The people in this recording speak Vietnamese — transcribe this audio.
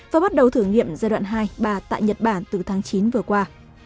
và bắt đầu thử nghiệm giai đoạn hai ba tại nhật bản từ tháng chín vừa qua